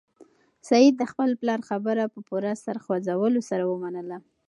سعید د خپل پلار خبره په پوره سر خوځولو سره ومنله.